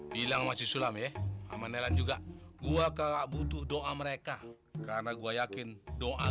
bilang masih sulam ya aman elan juga gua kebutuh doa mereka karena gua yakin doa